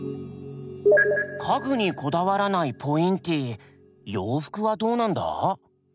家具にこだわらないポインティ洋服はどうなんだ？